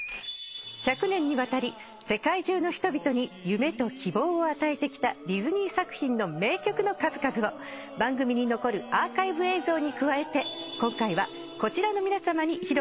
１００年にわたり世界中の人々に夢と希望を与えてきたディズニー作品の名曲の数々を番組に残るアーカイブ映像に加えて今回はこちらの皆さまに披露していただきます。